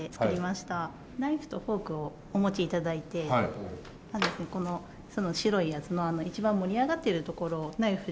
ナイフとフォークをお持ち頂いてその白いやつの一番盛り上がっているところをナイフでこう。